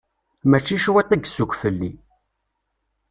Mačči cwiṭ i yessukk fell-i.